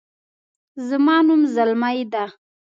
زما نوم زلمۍ ده